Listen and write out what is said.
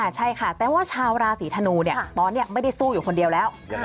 ใช่ค่ะแต่ว่าชาวราศีธนูตอนนี้ไม่ได้สู้อยู่คนเดียวแล้ว